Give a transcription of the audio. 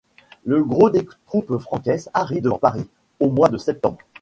Le gros des troupes franques arrive devant Paris au mois de septembre.